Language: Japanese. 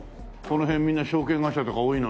この辺みんな証券会社とか多いのに。